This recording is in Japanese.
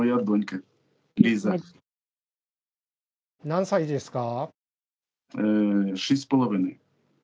・何歳ですか？